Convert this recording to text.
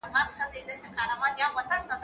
درسونه واوره